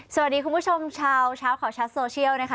สวัสดีคุณผู้ชมชาวชาวขอชัดโซเชียลนะคะ